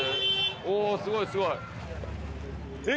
おすごいすごい。